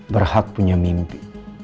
berhak punya mimpi